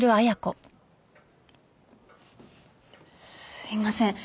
すいません